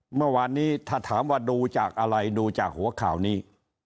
เมื่อวานนี้ถ้าถามว่าดูจากอะไรดูจากหัวข่าวนี้